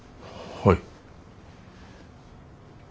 はい。